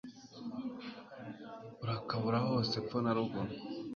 urakabura hose epfo na ruguru